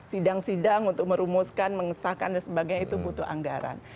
sidang sidang untuk merumuskan mengesahkan dan sebagainya itu butuh anggaran